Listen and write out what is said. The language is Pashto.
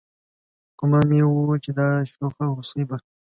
ګومان مې و چې دا شوخه هوسۍ به